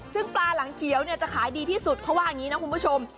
ซึ่งปลาหลังเขียวเนี่ยจะขายดีที่สุดเขาว่าอย่างนี้นะคุณผู้ชม